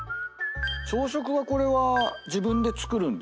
朝食はこれは自分で作るんですか？